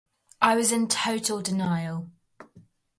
I was in total denial.